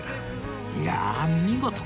いやあ見事！